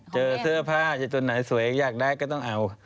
เจอเสื้อผ้าเจอตัวไหนสวยอยากได้ก็ต้องเอา